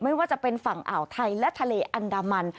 ไม่ว่าจะเป็นฝั่งอ่าวไทยและทะเลอันดามัน